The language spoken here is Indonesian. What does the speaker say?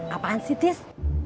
apaan sih tis